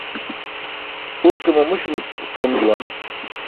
Urke mamuśumucum ṣum juwan.